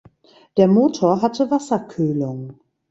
Der Motor hatte Wasserkühlung.